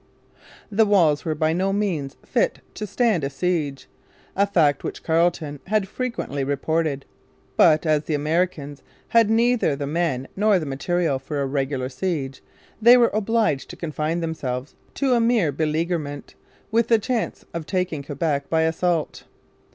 The walls were by no means fit to stand a siege, a fact which Carleton had frequently reported. But, as the Americans had neither the men nor the material for a regular siege, they were obliged to confine themselves to a mere beleaguerment, with the chance of taking Quebec by assault.